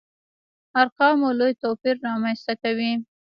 ارقامو لوی توپير رامنځته کوي.